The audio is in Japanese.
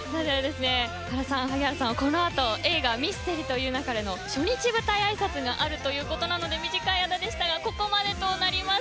原さん、萩原さんはこのあと映画「ミステリと言う勿れ」の初日舞台あいさつがあるということなので短い間でしたがここまでとなります。